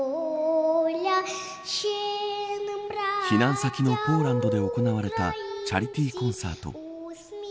避難先のポーランドで行われたチャリティーコンサート。